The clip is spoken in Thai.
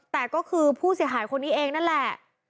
แต่ก็คือผู้เสียหายคนนี้เองนั่นแหละ